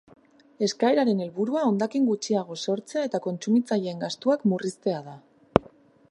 Eskaeraren helburua hondakin gutxiago sortzea eta kontsumitzaileen gastuak murriztea da.